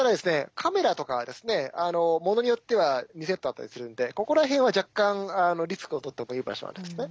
カメラとかはものによっては２セットあったりするんでここらへんは若干リスクをとってもいい場所なんですね。